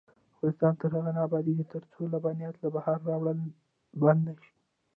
افغانستان تر هغو نه ابادیږي، ترڅو لبنیات له بهره راوړل بند نشي.